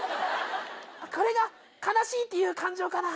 これが悲しいっていう感情かな？